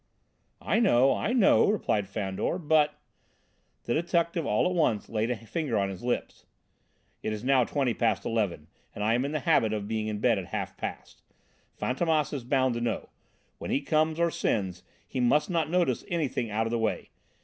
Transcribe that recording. "I know, I know," replied Fandor, "but " The detective all at once laid a finger on his lips. "It's now twenty past eleven, and I am in the habit of being in bed at half past. Fantômas is bound to know it: when he comes or sends, he must not notice anything out of the way.